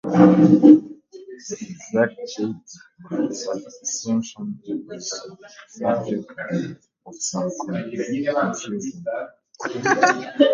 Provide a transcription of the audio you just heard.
The exact date of his ascension is the subject of some confusion.